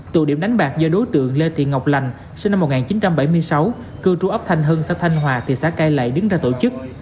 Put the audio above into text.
tụ điểm đánh bạc do đối tượng lê thị ngọc lành sinh năm một nghìn chín trăm bảy mươi sáu cư trú ấp thanh hưng xã thanh hòa thị xã cai lệ đứng ra tổ chức